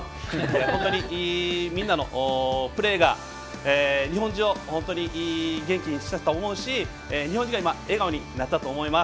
本当に、みんなのプレーが日本中を元気にしたと思うし日本中が笑顔になったと思います。